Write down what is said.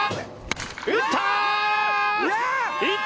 打った！